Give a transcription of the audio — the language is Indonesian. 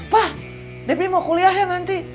pak debbie mau kuliah ya nanti